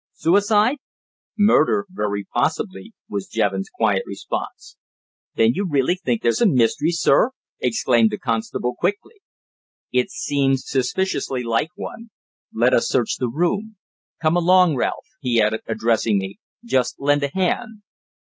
"Suicide?" "Murder, very possibly," was Jevons' quiet response. "Then you really think there's a mystery, sir?" exclaimed the constable quickly. "It seems suspiciously like one. Let us search the room. Come along Ralph," he added, addressing me. "Just lend a hand."